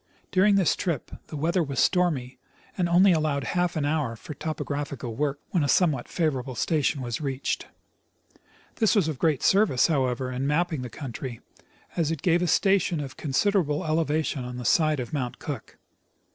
During this trip the weather Avas stormy, and only alloAved half an hour for topographical Avork AA'hen a somcAvhat favorable station Avas reached. This Avas of great service, hoAvever, in mapping the country, as it gave a station of considerable elevation on the side of Mount Cook.